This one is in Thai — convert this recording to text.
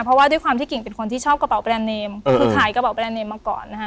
เพราะว่าด้วยความที่กิ่งเป็นคนที่ชอบกระเป๋าแบรนดเนมคือขายกระเป๋าแรนเนมมาก่อนนะฮะ